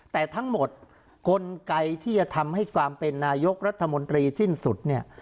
แต่ทั้งหมดกลไกที่จะทำให้ความเป็นนายกรัฐมนตรีสิ้นสุดเนี่ย